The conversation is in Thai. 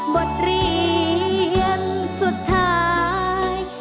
บทเรียนสุดท้าย